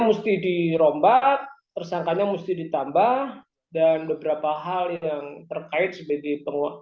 mesti dirombak tersangkanya mesti ditambah dan beberapa hal yang terkait sebagai penguasa